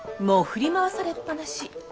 もう振り回されっぱなし。